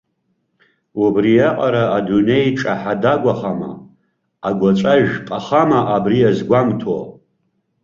Убриаҟара адунеи ҿаҳа-дагәахама, агәаҵәа жәпахама абри азгәамҭо?!